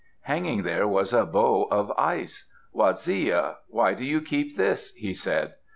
Hanging there was a bow of ice. "Waziya, why do you keep this?" he said.